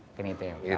oke ada yang nanya lagi